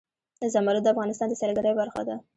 زمرد د افغانستان د سیلګرۍ برخه ده.